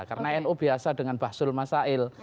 karena nu biasa dengan bahsul masail